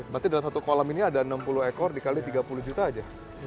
berarti dalam satu kolam ini ada enam puluh ekor dikali tiga puluh juta aja